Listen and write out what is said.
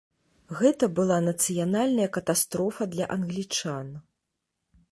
Гэта была нацыянальная катастрофа для англічан.